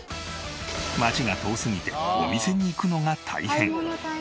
街が遠すぎてお店に行くのが大変。